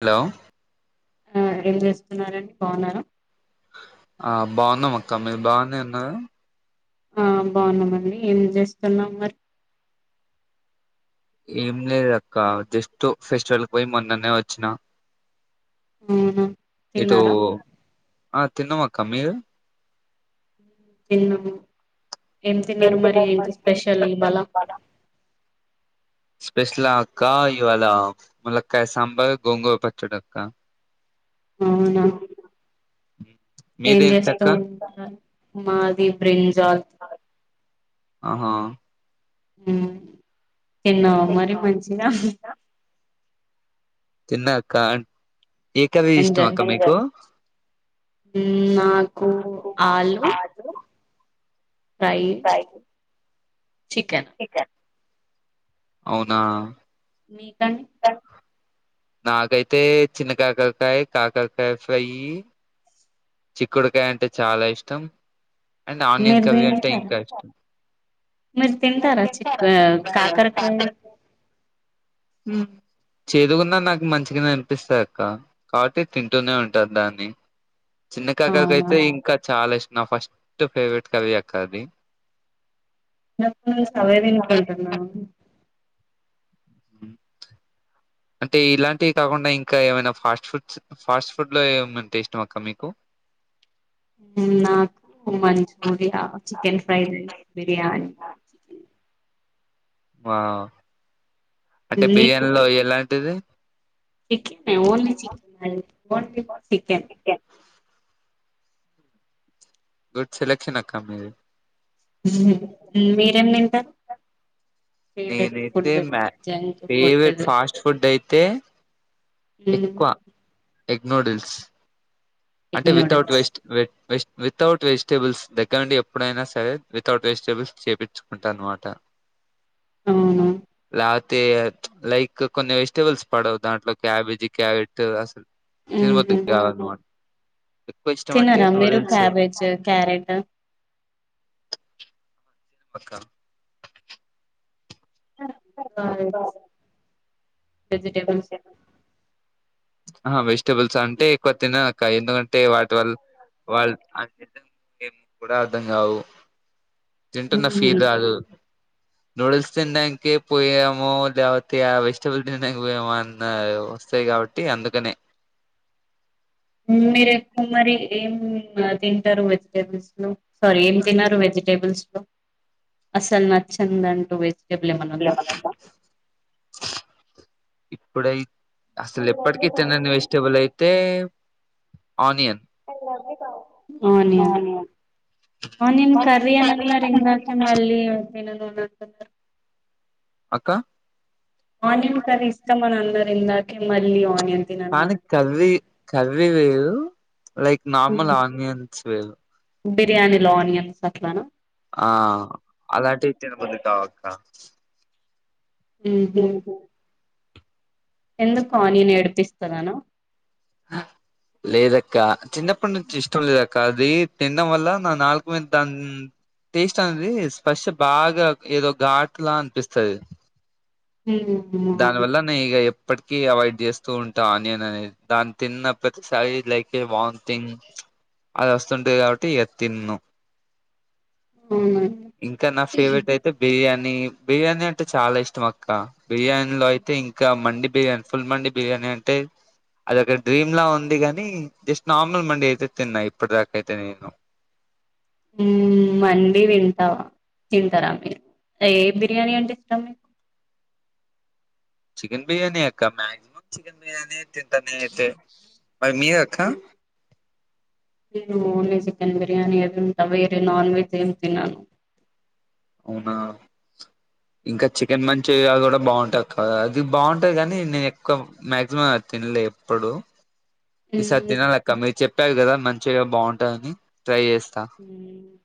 Hello ఆ ఏం చేస్తున్నారాండి బాగున్నారా ఆ బాన్నాం అక్క మీరు బానే ఉన్నారా ఆ బాన్నామండి ఏం చేస్తున్నావ్ మరి ఏం లేదు అక్క జస్ట్ ఫెస్టివల్‌కి పోయి మొన్ననే వచ్చినా ఉహ్మ్ ఇటు ఆ తిన్నంఅక్క మీరు ఎన్న ఏం తిన్నారు మరి ఏ స్పెషల్ ఇవాళ స్పెషల్ ఆ అక్క ఇవాళ ములక్కయ సాంబార్ గోంగూరు పచ్చడి అక్క అవునా ఏం మీదేంటక్క చేస్తూ ఉంటారు మాది బ్రింజాద్ ఆహా తిన్నావ మరి మంచిగా తిన్న అక్క ఏ కర్రీ ఇష్టం ఎంజాయ్ అక్క మీకు నాకు ఆలు ఫ్రై చికెన్ అవునా మీకండి ఆ నాకైతే చిన్న కాకరకాయ కాకరకాయి ఫ్రై చిక్కుడుకాయ అంటే చాలా ఇష్టం అండ్ ఆన్యన్ కర్రీ అంటే ఇంకా ఇష్టం మరి తింటారా చిక్ కాకరకాయి ఉమ్ చేదుగున్నా నాకు మంచిగా అనిపిస్తా అక్క కాబట్టి తింటూనే ఉంటను దాన్ని చిన్న కాకరకాయి అవునా అయితే ఇంకా చాలా ఇష్ట నా ఫస్ట్ ఫేవరెట్ కర్రీ అక్క అది నా [inaudible] అవి తినుకుంట వునవా అంటే ఇలాంటివి కాకుండా ఇంకా ఏమైనా ఫాస్ట్ ఫుడ్స్ ఫాస్ట్ ఫుడ్ లో ఏం అంటే ఇష్టం అక్క మీకు నాకు manchuria chicken fried rice biryani ఆ అంటే బిర్యానీలో ఎలాంటిది chicken only chicken boneless chicken good selection అక్క మీది మీరేం తింటారు ఫేవరెట్ ఫుడ్ నేనైతే మ్యా junk food favourite fast food అయితే ఉమ్ ఎక్కువ ఎగ్ నోడిల్స్ ఎగ్ అంటే వితౌట్ నూడిల్స్ వేస్ట్ వే వేస్ట్ వితౌట్ వెజిటేబుల్స్ దగ్గర నుండి ఎప్పుడైనా సరే వితౌట్ వెజిటేబుల్స్ చేపిచ్చుకుంటాను అనమాట అవును రా తే లైక్ కొన్ని వెజిటబుల్స్ పడవు దాంట్లో క్యాబేజీ క్యారెట్ అస్ తినబుద్ధి కాదు తనరా మీరు క్యాబేజ్ క్యారెట్ వస్తా బాయ్ వెజిటేబుల్స్ అహా వెజిటేబుల్స్ అంటే ఎక్కువ తినను అక్క ఎందుకంటే వాటి వల్ల వాల్ అన్ని ఏం కూడా అర్థం కావు తింటున్న ఉహు ఫీల్ రాదు నూడిల్స్ తినడానికి పోయామో లేకపోతే ఆ వెజిటబుల్స్ తినడానికి పోయేమో అని వస్తాయి కావా కే అందుకనే మీరు ఎక్కువ మరి ఏం తింటారు వెజిటేబుల్స్ లో సారీ ఏం తినరు వెజిటేబుల్స్ లో అసలు నచ్చందంటూ వె ల మా [unintelligible] ఇప్పుడై అసలు ఎప్పటికి తినని వెజిటేబుల్ అయితే ఆనియన్ ఆనియన్ ఆనియన్ కర్రీ అని అంటున్నారు ఇందాకే మళ్ళీ తిననని అంటున్నారు అక్క ఆనియన్ కర్రీ ఇష్టమని అన్నారు ఇందాకే మళ్ళీ ఆని పాని కవ్వి కర్రీ వేరు లైక్ నార్మల్ మ్మ్. ఆనియన్స్ వే బిర్యానీలో ఆనియన్స్ అట్లానా ఆ అలాంటి తినబుద్ది కావు అక్క ఊహు ఎందుకు ఆనియన్ ఏడిపిస్తదనా హ లేదక్క చిన్నప్పటి నుంచి ఇష్టం లేదక్క అది తినడం వల్ల నా నాలుక మీద అం టేస్ట్ అనేది స్పర్శ బాగా ఏదో ఘాట్లా అనిపిస్తది దాని అవును వల్ల నేను ఇక ఎప్పటికీ అవాయిడ్ చేస్తూ ఉంటా ఆనియన్ అనేది దాని తిన్న ప్రతిసారి లైకే వాంతింగ్ అది వస్తుంటది కాబట్టి ఇక తిన్ను అవునండి. ఇంకా నా ఫేవరెట్ అయితే బిర్యానీ బిర్యానీ అంటే చాలా ఇష్టం అక్క బిర్యానీలో అయితే ఇంకా మండి బిర్యానీ ఫుల్ మండి బిర్యానీ అంటే అదొక డ్రీమ్ లా ఉంది గాని జస్ట్ నార్మల్ మండి అయితే తిన్నా ఇప్పటి దాకా అయితే నేను ఉమ్ మండి తింటావా తింటార మీరు ఏ బిర్యానీ అంటే ఇష్టం చికెన్ బిర్యానీ అక్క మాక్సిమం చికన్ బిర్యానీ యే తింట నేనయితే మరి మీరక్కా నేను ఓన్లీ చికెన్ బిర్యానీయే తింటా వేరే నాన్ వెజ్ ఏమి తినను అవునా ఇంకా చికెన్ మంచూరియా కూడా బాగుంటాది కదా అది బాగుంటాది కాని నేను ఎక్కువ మాక్సిమం అది తి లే ఎప్పుడు ఈ సారి తినాలక్క మీరు చెప్పారు కదా మంచురియా బాగుంటుందని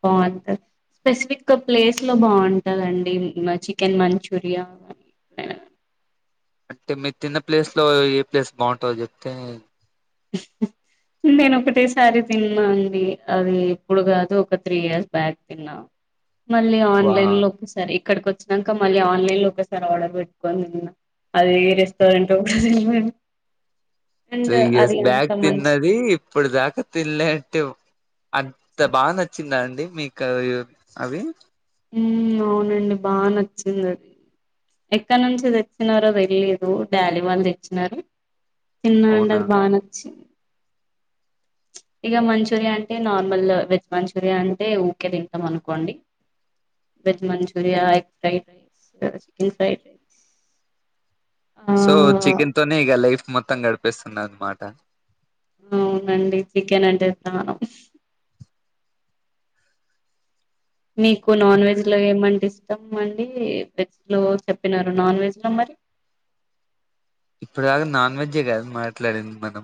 బాగుంటది స్పెసిఫక్ ప్లేస్ ఎ బాగుంటుందండి చికెన్ మంచూరియా అంటే మీరు తిన్న ప్లేస్ లో ఏ ప్లేస్ బాగుంటాందో చెప్తే నేను ఒకటే సారీ తిన్నా అండి అది ఇప్పుడు కాదు ఒక త్రీ ఇయర్స్ బ్యాక్ తిన్నాను మళ్ళీ వా ఆన్లైన్ లో ఒకేసారి ఇక్కడికి వచ్చినాక మళ్ళీ ఆన్లైన్ లో ఒకేసారి ఆర్డర్ పెట్టుకొని నిన్న అది ఎ రెస్టారెంట్ ఓ కూడా తెలివది అండ్ త్రీ ఇయర్ అది అంత బ్యాగ్ మంచి తిన్నది ఇప్పుడు దాకా తినలేంటే అంత బాగా నచ్చిందా అండి మీకు అవి ఉమ్ అవునండి బాగా నచ్చింది అది ఎక్కడ నుంచి తెచ్చినారో తెలిలేదు డాడీ వాళ్ళు తెచ్చినారు తిన్నా అండి అవునా అది బాగా నచ్చింది ఇక మంచూరియా అంటే నార్మల్ వెజ్ మంచూరియా అంటే ఉకే తింటాం అనుకోండి వెజ్ మంచూరియా ఎ ఫ rice chicken fries so chicken తోనే ఇక లైఫ్ మొత్తం గడిపిస్తుంది అనమాట అవునండి చికెన్ అంటే ఇస్త మీకు నాన్ వెజ్ లో ఏమంటే ఇ ద్దాం అండి వెజ్ లో చెప్పినారు నాన్ వెజ్ లో మరి ఇప్పుడు దాకా నాన్ వెజే కాదు మాట్లాడింది మనం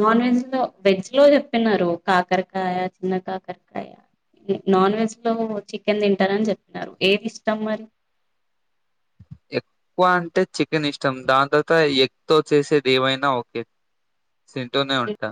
నాన్ వెజ్ లో వెజ్ లో చెప్పినారు కాకరకాయ చిన్న కాకరకాయ నాన్ వెజ్ లో చికెన్ తింటనని చెప్పినారు ఏది ఇష్టం మరి ఎక్కువ అంటే చికెన్ ఇష్టం దాని తర్వాత ఎగ్ తో చేసేది ఏమైనా ఓకే సింటోనే ఉంటా